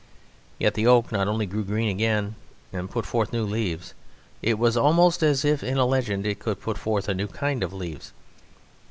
Yet the oak not only grew green again and put forth new leaves; it was almost as if, as in a legend, it could put forth a new kind of leaves.